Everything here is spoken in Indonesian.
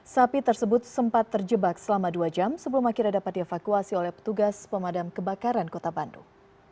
sapi tersebut sempat terjebak selama dua jam sebelum akhirnya dapat dievakuasi oleh petugas pemadam kebakaran kota bandung